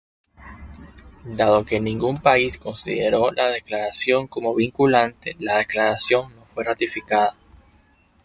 Dado que ningún país consideró la declaración como vinculante, la declaración no fue ratificada.